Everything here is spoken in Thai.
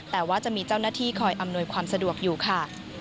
แต่ว่าจะมีเจ้าหน้าที่คอยอำนวยความสะดวกอยู่ค่ะ